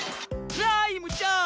ライムちゃん